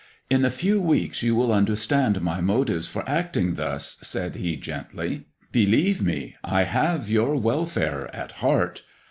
" In a few weeks you will understand my motives for acting thus," said he gently ;" believe me, I have your welfare at heart.